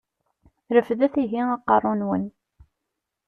Refdet ihi aqeṛṛu-nwen!